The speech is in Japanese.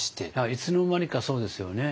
いつの間にかそうですよね。